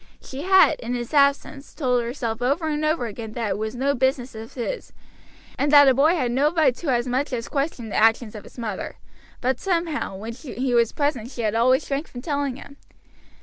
She had, in his absence, told herself over and over again that it was no business of his, and that a boy had no right to as much as question the actions of his mother; but somehow when he was present she had always shrank from telling him.